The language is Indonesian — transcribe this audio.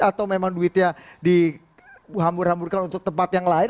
atau memang duitnya dihambur hamburkan untuk tempat yang lain